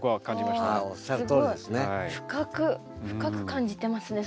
深く感じてますね